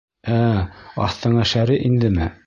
Ә-ә, аҫтыңа шәре индеме?